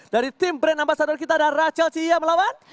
dari tim brand ambasador kita ada rachel chia melawan